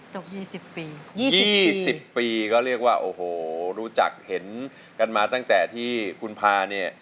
จบ๒๐ปี๒๐ปีก็เรียกว่าโอ้โหรู้จักเห็นกันมาตั้งแต่ที่คุณพาเนี่ย